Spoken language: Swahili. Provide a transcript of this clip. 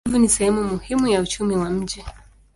Uvuvi ni sehemu muhimu ya uchumi wa mji.